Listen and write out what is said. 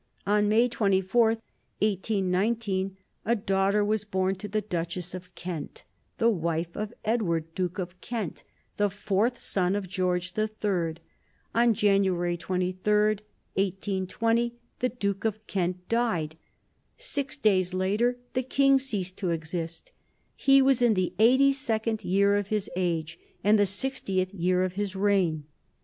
On May 24, 1819, a daughter was born to the Duchess of Kent, the wife of Edward, Duke of Kent, the fourth son of George the Third. On January 23, 1820, the Duke of Kent died. Six days later the King ceased to exist. He was in the eighty second year of his age and the sixtieth year of his reign.